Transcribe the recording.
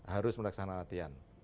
harus melaksanakan latihan